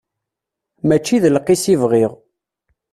Mačči d lqis i bɣiɣ.